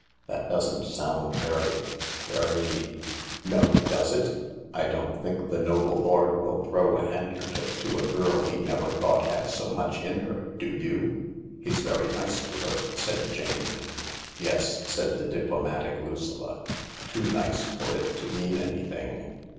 That doesn't sound very — very ..."" No — does it ? I don't think the noble lord will throw the handkerchief to a g^rl he never thought had so much in her, do you ?"" He's very nice to her," said Jane. "Yes," said the diplomatic Lucilla, "too nice for it to mean anything."